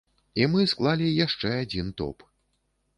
І мы склалі яшчэ адзін топ.